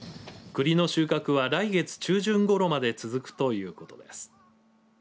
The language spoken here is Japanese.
くりの収穫は来月中旬ごろまで続くということです。